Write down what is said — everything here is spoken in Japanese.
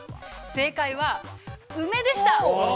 正解は梅でした。